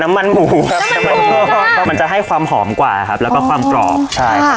น้ำมันหมูครับมันจะให้ความหอมกว่าครับแล้วก็ความกรอบใช่ครับ